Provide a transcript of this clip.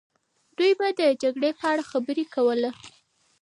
دوی به د جګړې په اړه خبرې کوله.